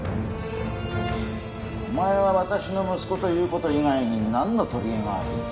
お前は私の息子という事以外になんの取りえがある？